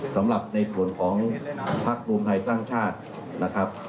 สำหรับในส่วนของพักรวมไทยสร้างชาตินะครับ